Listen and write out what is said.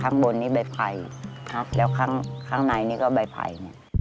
ข้างบนนี้ใบไผ่ครับแล้วข้างข้างในนี่ก็ใบไผ่เนี่ย